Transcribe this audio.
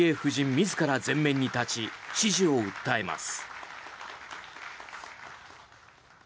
自ら前面に立ち支持を訴えます。